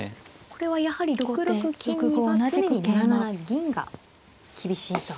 これはやはり６六金には常に７七銀が厳しいと。